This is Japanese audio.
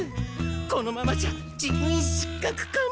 このままじゃ事務員失格かも。